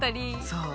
そう。